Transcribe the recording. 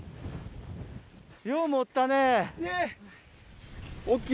よう持ったね。